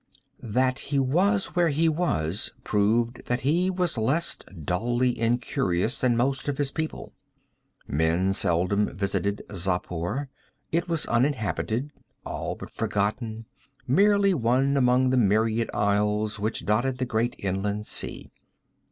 That he was where he was proved that he was less dully incurious than most of his people. Men seldom visited Xapur. It was uninhabited, all but forgotten, merely one among the myriad isles which dotted the great inland sea.